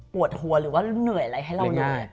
ปวดหัวหรือว่าเหนื่อยอะไรให้เราดู